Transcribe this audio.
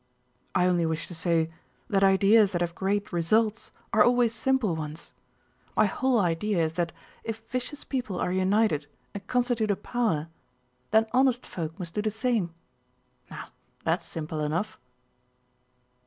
"I only wished to say that ideas that have great results are always simple ones. My whole idea is that if vicious people are united and constitute a power, then honest folk must do the same. Now that's simple enough."